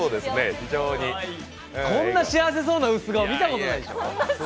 こんな幸せそうな薄顔見たことないでしょ。